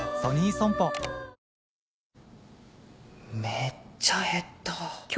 めっちゃ減った。